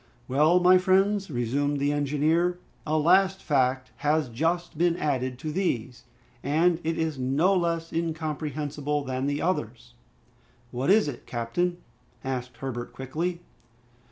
"Well, my friends," resumed the engineer, "a last fact has just been added to these, and it is no less incomprehensible than the others!" "What is it, captain?" asked Herbert quickly.